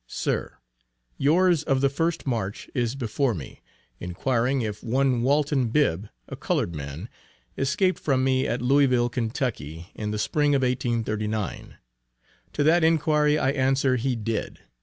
SIR: Yours of the 1st March is before me, inquiring if one Walton Bibb, a colored man, escaped from me at Louisville, Ky., in the Spring of 1839. To that inquiry I answer, he did.